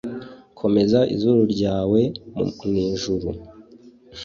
komeza izuru ryawe mwijuru,